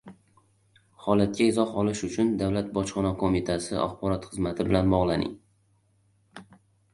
Holatga izoh olish uchun Davlat Bojxona Qo'mitasi axborot xizmati bilan bog'